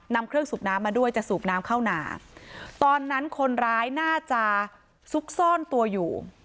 นำเครื่องสูบน้ำมาด้วยจะสูบน้ำเข้าหนาตอนนั้นคนร้ายน่าจะซุกซ่อนตัวอยู่